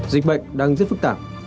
dịch bệnh đang rất phức tạp